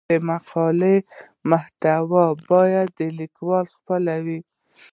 د مقالې محتوا باید د لیکوال خپل وي.